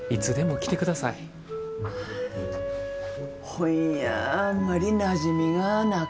本やあんまりなじみがなかね。